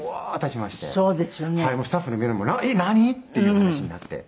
スタッフのみんなも「えっ何？」っていう話になって。